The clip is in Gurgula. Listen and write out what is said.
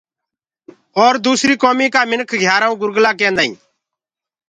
اور دوسريٚ ڪوميٚ ڪآ مِنک گھيآرآئون گرگلآ ڪيندآئين۔